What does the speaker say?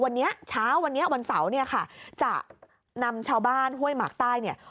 วันนี้เช้าวันนี้วันเสาร์เนี่ยค่ะจะนำชาวบ้านห้วยหมากใต้เนี่ย